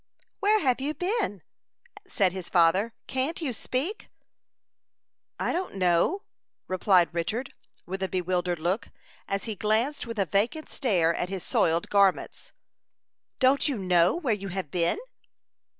"Where have you been?" said his father. "Can't you speak?" "I don't know," replied Richard, with a bewildered look, as he glanced with a vacant stare at his soiled garments. "Don't know where you have been?"